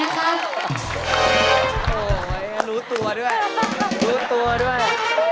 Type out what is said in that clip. การยวดตัวด้วย